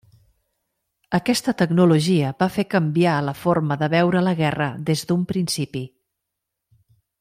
Aquesta tecnologia va fer canviar la forma de veure la guerra des d'un principi.